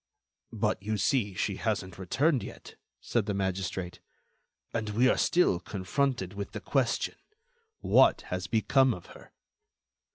"But, you see, she hasn't returned yet," said the magistrate, "and we are still confronted with the question: What has become of her?"